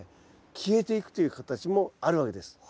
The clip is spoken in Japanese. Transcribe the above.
消えていくという形もあるわけです。